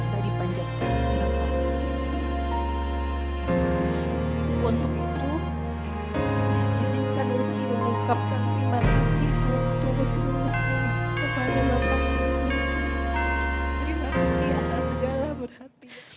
terima kasih atas segala berhati